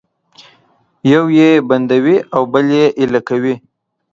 یو یې بندوي او بل یې ایله کوي